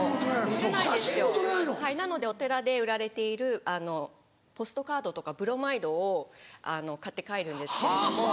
はいなのでお寺で売られているポストカードとかブロマイドを買って帰るんですけれども。